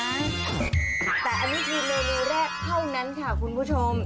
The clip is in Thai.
แต่อันนี้คือเมนูแรกเท่านั้นค่ะคุณผู้ชม